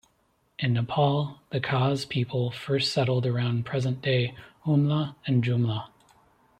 In Nepal the Khas people first settled around present day Humla and Jumla.